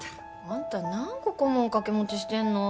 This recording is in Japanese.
あんた何個顧問掛け持ちしてんの